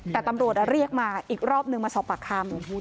แต่ตำรวจเรียกมาอีกรอบนึงมาสอบปากคำ